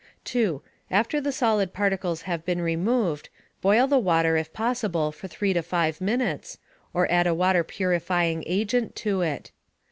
2. After the solid particles have been removed, boil the water if possible for 3 to 5 minutes, or add a water purifying agent to it.